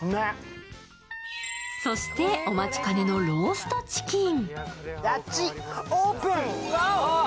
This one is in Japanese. そして、お待ちかねのローストチキン。